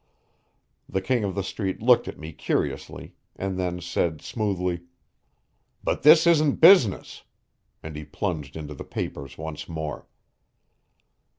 The King of the Street looked at me curiously, and then said smoothly: "But this isn't business." And he plunged into the papers once more.